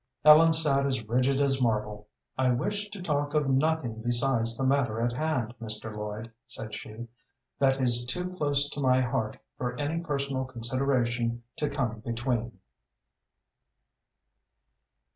Ellen sat as rigid as marble. "I wish to talk of nothing besides the matter at hand, Mr. Lloyd," said she. "That is too close to my heart for any personal consideration to come between."